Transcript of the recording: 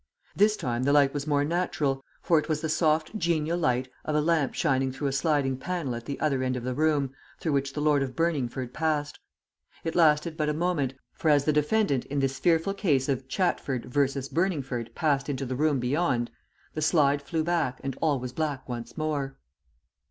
This time the light was more natural, for it was the soft genial light of a lamp shining through a sliding panel at the other end of the room, through which the Lord of Burningford passed. It lasted but a moment, for as the defendant in this fearful case of Chatford v. Burningford passed into the room beyond, the slide flew back and all was black once more.